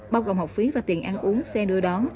bao gồm học phí và tiền ăn uống xe đưa đón